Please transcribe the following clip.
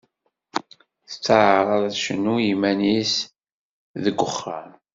Tettaɛraḍ ad tecnu i yiman-is deg uxxam.